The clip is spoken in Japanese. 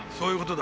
だ？